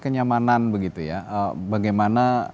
kenyamanan begitu ya bagaimana